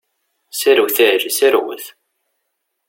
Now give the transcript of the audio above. Serwet a Ɛli, serwet!